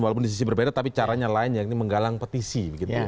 walaupun di sisi berbeda tapi caranya lain yang ini menggalang petisi